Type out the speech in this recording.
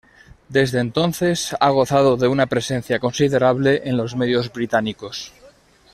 Desde entonces, ha gozado de una presencia considerable en los medios británicos.